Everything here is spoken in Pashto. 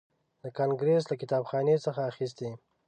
د کانګریس له کتابخانې څخه اخیستی.